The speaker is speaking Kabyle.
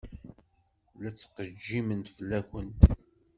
La ttqejjiment fell-akent.